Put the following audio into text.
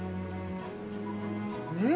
うん！